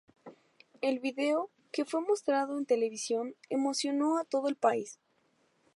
El video, que fue mostrado en televisión, emocionó a todo el país.